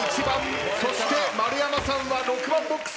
そして丸山さんは６番ボックス。